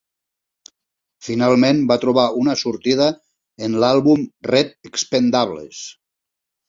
Finalment va trobar una sortida en l'àlbum "Red Expendables".